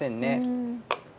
うん。